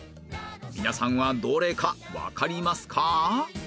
皆さんはどれかわかりますか？